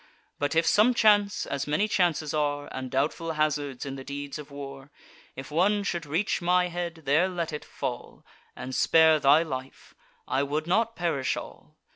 But if some chance—as many chances are, And doubtful hazards, in the deeds of war— If one should reach my head, there let it fall, And spare thy life; I would not perish all.